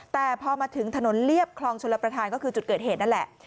แต่พอมาถึงถนนเรียบคลองชลประธานก็คือจุดเกิดเหตุนั่นแหละ